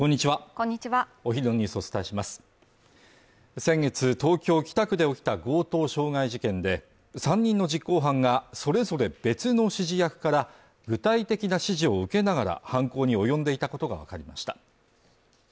先月東京北区で起きた強盗傷害事件で３人の実行犯がそれぞれ別の指示役から具体的な指示を受けながら犯行に及んでいたことが分かりました